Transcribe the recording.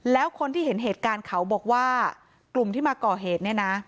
แล้วคนที่เห็นเหตุการณ์เขาบอกว่ากลุ่มที่มาก่อเหตุเนี่ยนะ